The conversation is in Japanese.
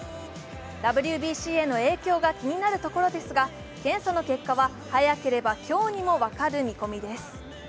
ＷＢＣへの影響が気になるところですが検査の結果は早ければ今日にも分かる見込みです。